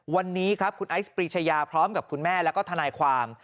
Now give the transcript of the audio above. วันนี้ครับคุณไอซ์ปรีชายาพร้อมกับคุณแม่แล้วก็ทนายความ